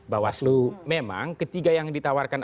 bawaslu memang ketiga yang ditawarkan